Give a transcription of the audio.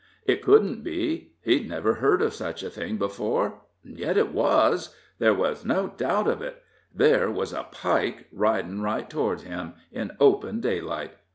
It couldn't be he'd never heard of such a thing before yet it was there was no doubt of it there was a Pike riding right toward him, in open daylight.